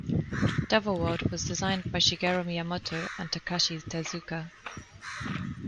"Devil World" was designed by Shigeru Miyamoto and Takashi Tezuka.